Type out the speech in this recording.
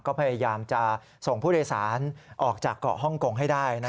ก็พยายามจะส่งผู้โดยสารออกจากเกาะฮ่องกงให้ได้